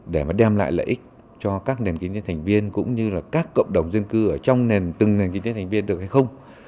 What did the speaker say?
để mà đem lại lợi ích cho các nền kinh tế thành viên cũng như là các cộng đồng dân cư ở trong từng nền kinh tế thành viên được hay không